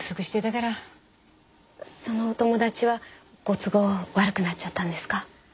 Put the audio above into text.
そのお友達はご都合悪くなっちゃったんですか？